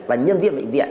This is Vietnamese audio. và nhân viên bệnh viện